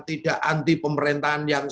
tidak anti pemerintahan yang